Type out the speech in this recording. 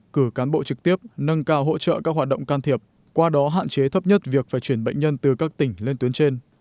cử cán bộ trực tiếp nâng cao hỗ trợ các hoạt động can thiệp qua đó hạn chế thấp nhất việc phải chuyển bệnh nhân từ các tỉnh lên tuyến trên